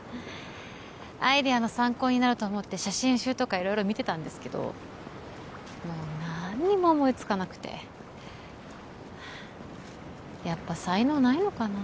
アイデアの参考になると思って写真集とか色々見てたんですけどもう何にも思いつかなくてやっぱ才能ないのかな